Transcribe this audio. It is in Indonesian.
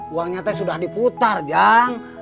uangnya teh sudah diputar jang